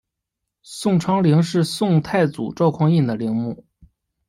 永昌陵是宋太祖赵匡胤的陵墓。